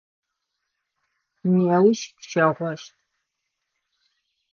Неущ пщэгъощт.